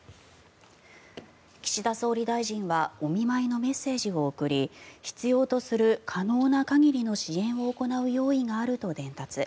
岸田総理大臣はお見舞いのメッセージを送り必要とする可能な限りの支援を行う用意があると伝達。